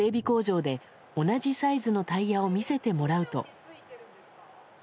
工場で同じサイズのタイヤを見せてもらうと。